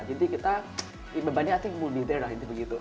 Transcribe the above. jadi kita bebannya i think will be there lah